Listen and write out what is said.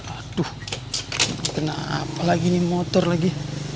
aduh kenapa lagi ini motor lagi